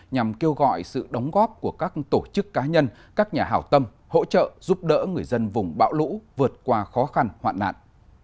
nhằm kêu gọi sự đóng góp của các tổ chức cá nhân các nhà hào tâm hỗ trợ giúp đỡ người dân vùng bão lũ vượt qua khó khăn hoạn nạn